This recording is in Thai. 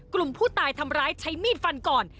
กลุ่มผู้ตายทำร้ายใช้มีดฟันก่อน